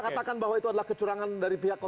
katakan bahwa itu adalah kecurangan dari pihak